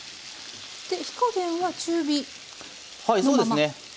で火加減は中火のまま？